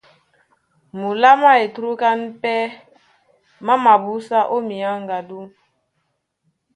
Múla má etrúkáŋ pɛ́ má mabúsá ó minyáŋgádú.